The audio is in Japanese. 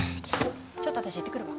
ちょっと私行ってくるわ。